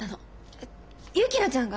えっ薫乃ちゃんが！？